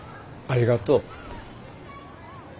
ありがとう。